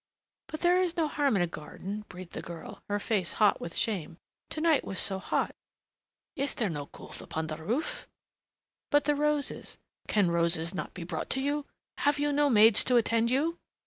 "But there is no harm in a garden," breathed the girl, her face hot with shame. "To night was so hot " "Is there no coolth upon the roof?" "But the roses " "Can roses not be brought you? Have you no maids to attend you?"